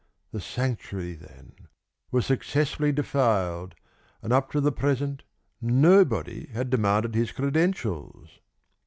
The sanctuary, then, was successfully defiled, and up to the present nobody had demanded his credentials!